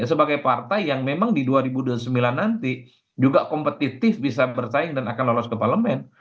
sebagai partai yang memang di dua ribu dua puluh sembilan nanti juga kompetitif bisa bersaing dan akan lolos ke parlemen